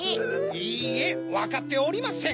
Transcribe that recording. いいえわかっておりません！